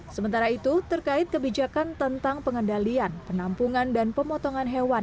sementara itu terkait kebijakan tentang pengendalian penampungan dan pemotongan hewan